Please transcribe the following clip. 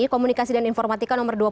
komunikasi dan informatika nomor dua